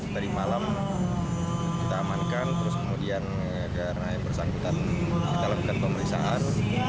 tadi malam kita amankan terus kemudian karena yang bersangkutan kita lakukan pemeriksaan